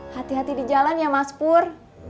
hati hati di jalan ya mas pur